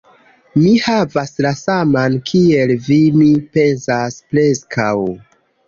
Mi havas la saman kiel vi, mi pensas preskaŭ...